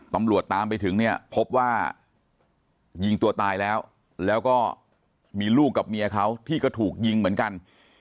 ตำรวจตามไปถึงเนี่ยพบว่ายิงตัวตายแล้วแล้วก็มีลูกกับเมียเขาที่ก็ถูกยิงเหมือนกัน